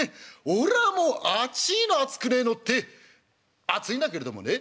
俺はもうあちいの熱くねえのって熱いんだけれどもね。